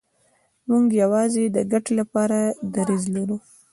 موږ یوازې د ګټې لپاره دریځ لرو.